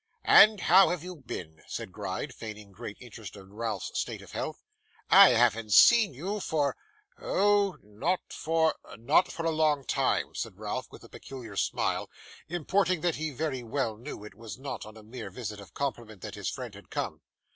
'And how have you been?' said Gride, feigning great interest in Ralph's state of health. 'I haven't seen you for oh! not for ' 'Not for a long time,' said Ralph, with a peculiar smile, importing that he very well knew it was not on a mere visit of compliment that his friend had come.